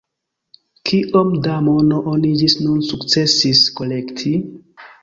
Kiom da mono oni ĝis nun sukcesis kolekti?